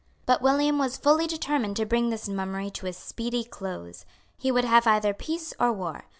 But William was fully determined to bring this mummery to a speedy close. He would have either peace or war.